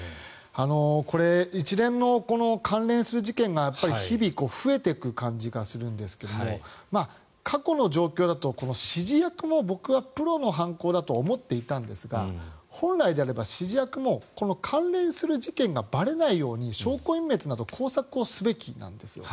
これ一連の関連する事件がやっぱり日々、増えていく感じがするんですけども過去の状況だと指示役も僕は、プロの犯行だと思っていたんですが本来であれば指示役もこの関連する事件がばれないように証拠隠滅など工作をすべきなんです。